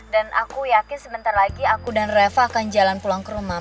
dan aku yakin sebentar lagi aku dan reva akan jalan pulang ke rumah